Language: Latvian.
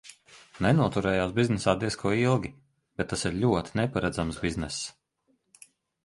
Nenoturējās biznesā diez ko ilgi, bet tas ir ļoti neparedzams bizness.